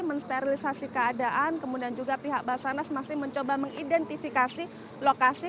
mensterilisasi keadaan kemudian juga pihak basarnas masih mencoba mengidentifikasi lokasi